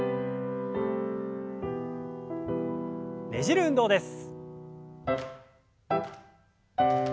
ねじる運動です。